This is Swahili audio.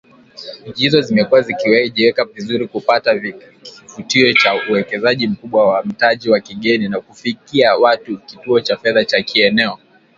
Nchi hizo zimekuwa zikijiweka vizuri kupata kivutio cha uwekezaji mkubwa wa mtaji wa kigeni na kufikia kuwa kituo cha fedha cha kieneo